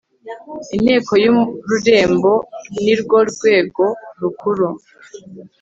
Inteko y Ururembo nirwo rwego rukuru